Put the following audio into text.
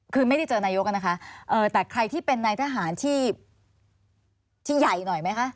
คือไม่ได้เจอนายกนะคะแต่ใครที่เป็นนายทหารที่ใหญ่หน่อยไหมคะ